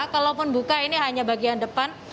kalaupun buka ini hanya bagian depan